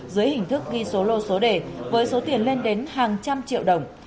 dưới hình thức ghi số lô số đề với số tiền lên đến hàng trăm triệu đồng